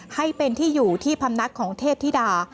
ให้เป็นที่อยู่ที่พำนักของเทพธิดา